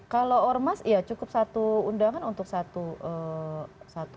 kalau ormas ya cukup satu undangan untuk satu